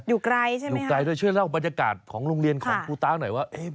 อยู่ไกลใช่ไหมอยู่ไกลด้วยช่วยเล่าบรรยากาศของโรงเรียนของครูต้าหน่อยว่า